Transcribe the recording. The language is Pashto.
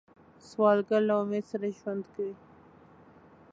سوالګر له امید سره ژوند کوي